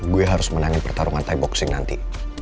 gue harus menangin pertarungan thai boxing nanti